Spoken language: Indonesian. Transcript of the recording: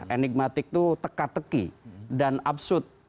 enigmatik itu teka teki dan absud